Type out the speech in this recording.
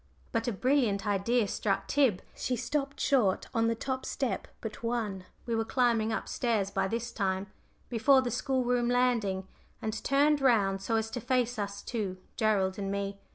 But a brilliant idea struck Tib. She stopped short on the top step but one we were climbing up stairs by this time before the school room landing, and turned round so as to face us two Gerald and me.